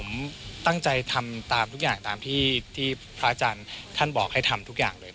ผมตั้งใจทำตามทุกอย่างตามที่พระอาจารย์ท่านบอกให้ทำทุกอย่างเลย